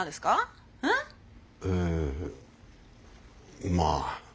ええまあ。